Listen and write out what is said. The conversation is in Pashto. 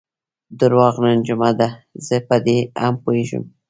درواغ، نن جمعه ده، زه په دې هم پوهېږم.